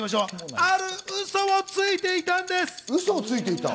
あるウソをついていたんです。